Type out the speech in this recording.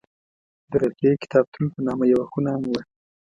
د رفیع کتابتون په نامه یوه خونه هم وه.